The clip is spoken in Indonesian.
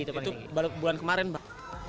itu bulan kemarin mbak